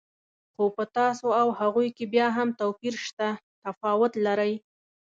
خو په تاسو او هغوی کې بیا هم توپیر شته، تفاوت لرئ.